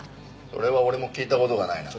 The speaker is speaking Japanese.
それは俺も聞いた事がないな。